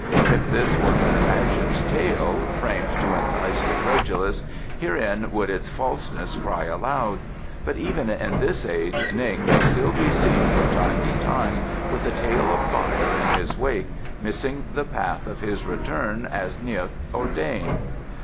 If this were an imagined tale, framed to entice the credulous, herein would its falseness cry aloud, but even in this age Ning may still be seen from time to time with a tail of fire in his wake, missing the path of his return as N'guk ordained.